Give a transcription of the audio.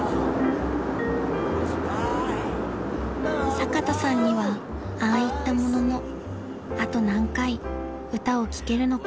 ［坂田さんにはああ言ったもののあと何回歌を聴けるのか］